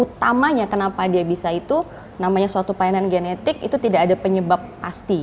utamanya kenapa dia bisa itu namanya suatu pelayanan genetik itu tidak ada penyebab pasti